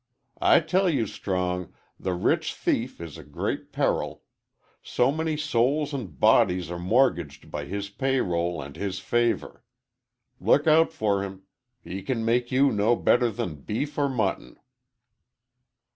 I tell you, Strong, the rich thief is a great peril; so many souls and bodies are mortgaged by his pay roll and his favor. Look out for him. He can make you no better than beef or mutton."